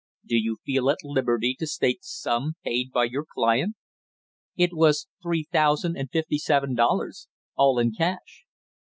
"Do you feel at liberty to state the sum paid by your client?" "It was three thousand and fifty seven dollars, all in cash."